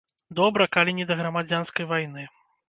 Добра, калі не да грамадзянскай вайны.